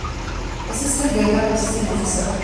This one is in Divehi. އެސިސްޓެންޓް ޑޭޓާ ޕްރޮސެސިންގ އޮފިސަރ